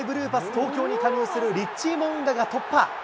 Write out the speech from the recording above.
東京に加入するリッチー・モウンガが突破。